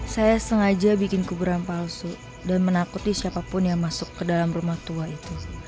saya sengaja bikin kuburan palsu dan menakuti siapapun yang masuk ke dalam rumah tua itu